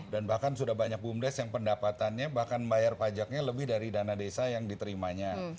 dan bahkan sudah banyak bumdes yang pendapatannya bahkan bayar pajaknya lebih dari dana desa yang diterimanya